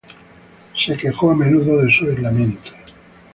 El se quejó, a menudo, de su aislamiento.